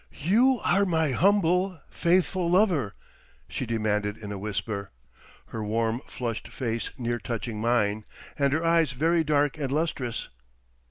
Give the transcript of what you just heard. "You are my humble, faithful lover," she demanded in a whisper, her warm flushed face near touching mine, and her eyes very dark and lustrous.